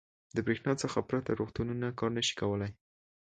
• د برېښنا څخه پرته روغتونونه کار نه شي کولی.